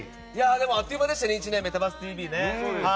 あっという間でしたね、１年「メタバースＴＶ！！」ね。